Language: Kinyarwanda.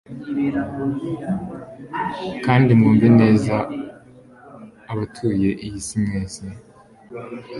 kandi mwumve neza, abatuye isi mwese